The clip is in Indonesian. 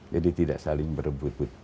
jadi tidak saling berebut rebut